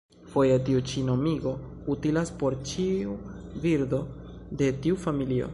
Foje tiu ĉi nomigo utilas por ĉiu birdo de tiu familio.